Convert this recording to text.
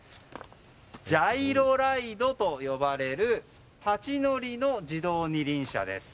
ジャイロライドと呼ばれる立ち乗りの自動二輪車です。